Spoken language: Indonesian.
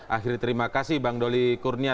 akhir terima kasih bang doli kurnia